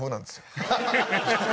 ハハハハ！